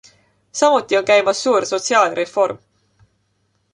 Samuti on käimas suur sotsiaalreform.